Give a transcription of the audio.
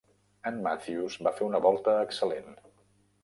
En Matthews va fer una volta excel·lent.